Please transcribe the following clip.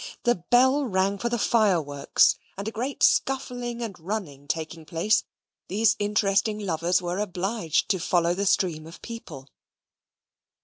the bell rang for the fireworks, and, a great scuffling and running taking place, these interesting lovers were obliged to follow in the stream of people.